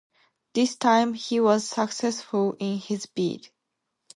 This time he was successful in his bid.